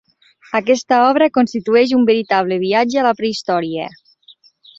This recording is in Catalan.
Aquesta obra constitueix un veritable viatge a la prehistòria.